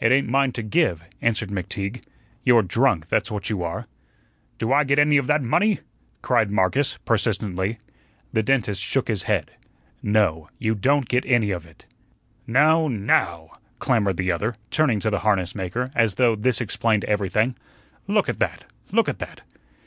"It ain't mine to give," answered McTeague. "You're drunk, that's what you are." "Do I get any of that money?" cried Marcus, persistently. The dentist shook his head. "No, you don't get any of it." "Now NOW," clamored the other, turning to the harnessmaker, as though this explained everything. "Look at that, look at that.